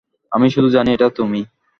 আমি শুধু জানি এটা তুমিই।